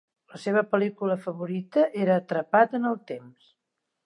La seva pel·lícula favorita era Atrapat en el temps.